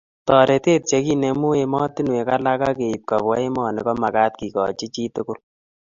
taretet che kinemu ematinwek alak ak keib kobwa emoni ko magat kegoch cii tugul